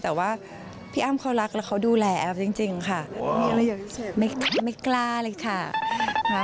แต่ว่าพี่อ้ำเขารักแล้วเขาดูแลแอปจริงค่ะ